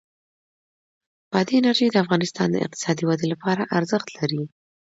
بادي انرژي د افغانستان د اقتصادي ودې لپاره ارزښت لري.